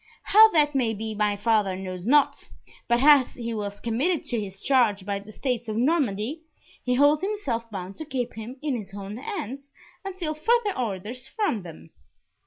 How that may be my father knows not, but as he was committed to his charge by the states of Normandy, he holds himself bound to keep him in his own hands until further orders from them."